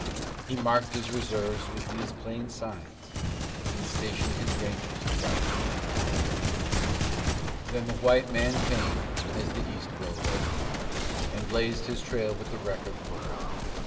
He marked His reserves with these plain signs And stationed His rangers to guard the lines. Then the White Man came, as the East growed old, And blazed his trail with the wreck of war.